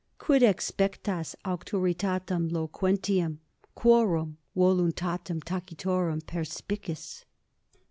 Quid exspectas auctoritatem loquentium, quorum voluntatem tacitorum perspicis?